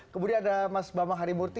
kemudian ada mas bambang harimurti